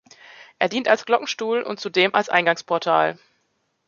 Er dient als Glockenstuhl und zudem als Eingangsportal.